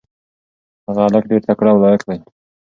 هغه هلک ډېر تکړه او لایق دی.